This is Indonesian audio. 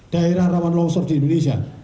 daerah rawan longsor di indonesia